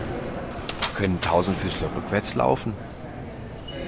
Können Tausendfüßler rückwärts laufen?